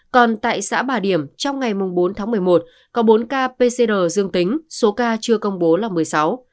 còn tại xã bà điểm trong ngày bốn tháng một mươi một có bốn ca pcr dương tính số ca chưa công bố là một mươi sáu